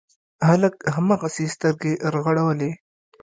هلک هماغسې سترګې رغړولې.